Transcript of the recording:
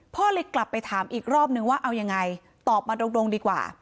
พ่อเลยกลับไปถามอีกรอบนึงว่าเอายังไงตอบมาตรงดีกว่า